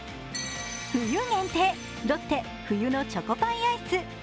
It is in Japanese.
冬限定、ロッテ冬のチョコパイアイス。